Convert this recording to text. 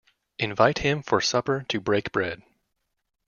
Invite him for supper to break bread.